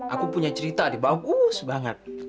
aku punya cerita nih bagus banget